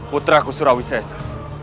putraku surawi sesa